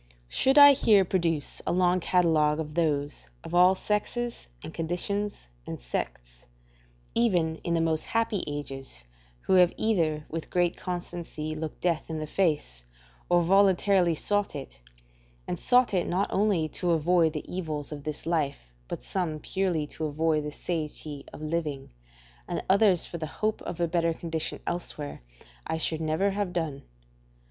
Should I here produce a long catalogue of those, of all sexes and conditions and sects, even in the most happy ages, who have either with great constancy looked death in the face, or voluntarily sought it, and sought it not only to avoid the evils of this life, but some purely to avoid the satiety of living, and others for the hope of a better condition elsewhere, I should never have done.